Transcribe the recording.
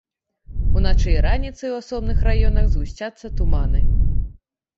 Уначы і раніцай у асобных раёнах згусцяцца туманы.